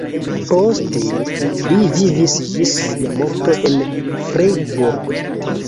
Poste li vivis ĝis sia morto en Freiburg.